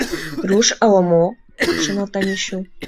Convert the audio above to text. «Руш ала мо?» — шоналта Мичу.